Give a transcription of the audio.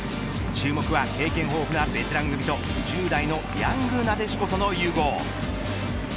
注目は経験豊富なベテラン組と１０代のヤングなでしことの融合。